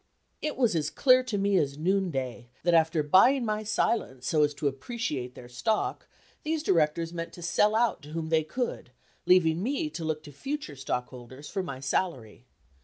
It was as clear to me as noonday that after buying my silence so as to appreciate their stock, these directors meant to sell out to whom they could, leaving me to look to future stockholders for my salary.